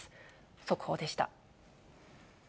速報でした。